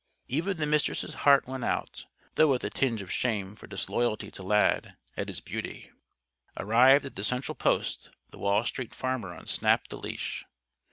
Even the Mistress' heart went out though with a tinge of shame for disloyalty to Lad at his beauty. Arrived at the central post, the Wall Street Farmer unsnapped the leash.